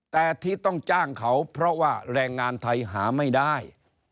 แต่ที่ต้องจ้างเขาเพราะว่าแรงงานไทยหาไม่ได้